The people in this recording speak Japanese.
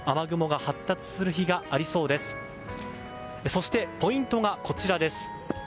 そして、ポイントがこちら。